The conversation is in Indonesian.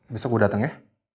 besok gue dateng ya